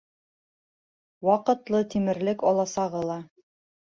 Ваҡытлы тимерлек аласығы ла.